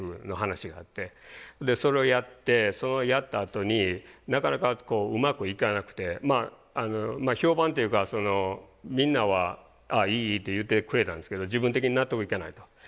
それをやってそのやったあとになかなかうまくいかなくてまあ評判というかみんなは「ああいいいい」って言ってくれたんですけど自分的に納得いかないと。